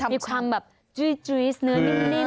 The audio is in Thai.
มีความแบบจุ้ยสเนื้อนิ่ม